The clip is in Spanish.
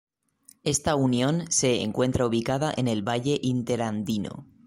Esta unión se encuentra ubicada en el valle interandino.